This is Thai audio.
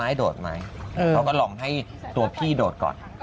พี่บอกเวลาก็ลองให้ตัวพี่โดดก่อน